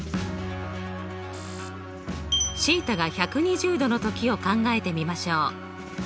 θが１２０°の時を考えてみましょう。